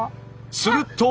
すると。